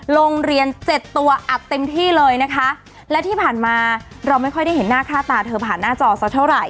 โรงเรียนเจ็ดตัวอัดเต็มที่เลยนะคะและที่ผ่านมาเราไม่ค่อยได้เห็นหน้าค่าตาเธอผ่านหน้าจอสักเท่าไหร่